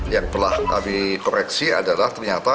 yang telah kami koreksi adalah ternyata